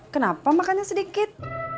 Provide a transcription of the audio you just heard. kenapa makannya sedikit